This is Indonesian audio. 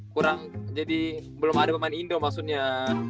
kurang jadi belum ada pemain indo maksudnya